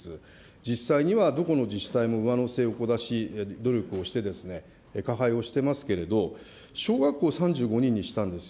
実際にはどこの自治体も上乗せをこなし、努力をして加配をしてますけれども、小学校３５人にしたんですよ。